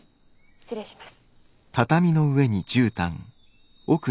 失礼します。